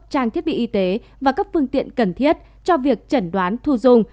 trang thiết bị y tế và các phương tiện cần thiết cho việc chẩn đoán thu dung